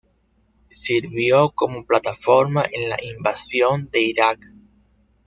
Sirvió como plataforma en la invasión de Irak.